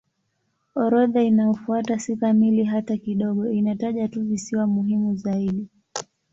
Orodha inayofuata si kamili hata kidogo; inataja tu visiwa muhimu zaidi.